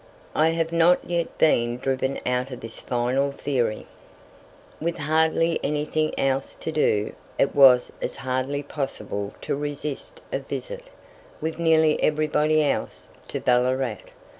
I have not yet been driven out of this final theory. With hardly anything else to do, it was as hardly possible to resist a visit, with nearly everybody else, to Ballarat.